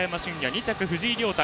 ２着が藤井亮汰。